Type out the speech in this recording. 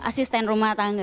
asisten rumah tangga